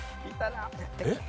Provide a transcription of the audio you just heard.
えっ？